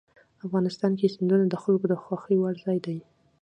افغانستان کې سیندونه د خلکو د خوښې وړ ځای دی.